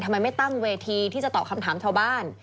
ทำไมไม่ตั้งเวทีที่จะตอบคำถามชาวบ้าน